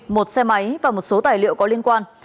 một xe máy và một số tài liệu có liên quan